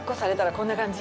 こんな感じ？